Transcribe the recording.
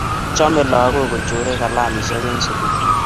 Chomei lakok kochorei kalamishe eng sukul.